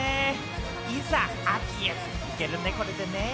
いざ秋へ行けるね、これでね。